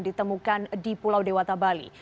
ditemukan di pulau dewata bali